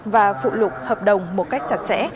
và phụ lục hợp đồng một cách chặt chẽ